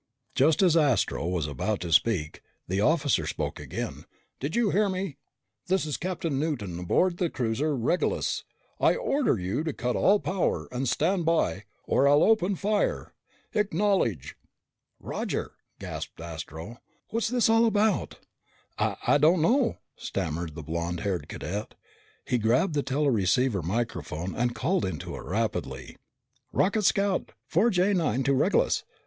Just as Astro was about to speak, the officer spoke again. "Did you hear me? This is Captain Newton aboard the cruiser Regulus! I order you to cut all power and stand by or I'll open fire! Acknowledge!" "Roger," gasped Astro, "what's this all about?" "I I don't know," stammered the blond haired cadet. He grabbed the teleceiver microphone and called into it rapidly. "Rocket scout 4J9 to Regulus.